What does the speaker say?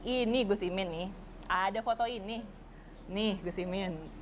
ini gus imin nih ada foto ini nih gus imin